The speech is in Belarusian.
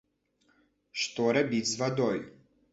Што рабіць з вадой.